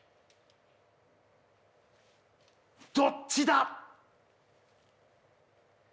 どっちだ？